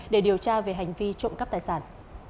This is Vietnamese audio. để điều tra về hành vi trộm cắp tài sản